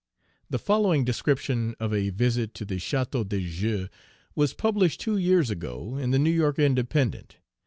THE following description of a visit to the Chateau de Joux was published two years ago in the New York Independent.